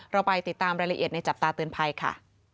เราไปติดตามรายละเอียดในจับตาเตือนภัยค่ะ